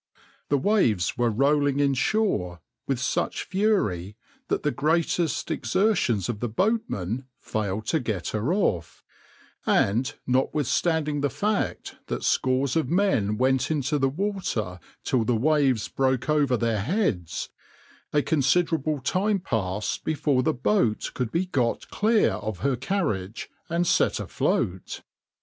The waves were rolling inshore with such fury that the greatest exertions of the boatmen failed to get her off, and notwithstanding the fact that scores of men went into the water till the waves broke over their heads, a considerable time passed before the boat could be got clear of her carriage and set afloat.